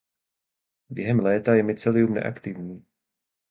Během léta je mycelium neaktivní.